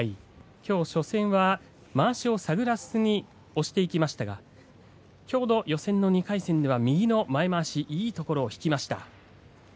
きょう初戦はまわしをたぐらせずに押していきましたがきょうの予選の２回戦では右の前まわしいいところを引きました。